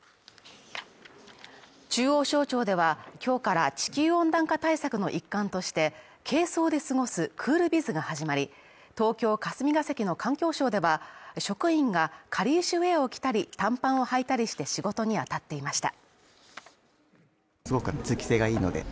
中央省庁では、今日から地球温暖化対策の一環として軽装で過ごすクールビズが始まり、東京・霞が関の環境省では、職員がかりゆしウェアを着たり、短パンを履いたりして仕事にあたっていました。